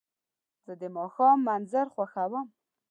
زه د ماښام منظر خوښوم.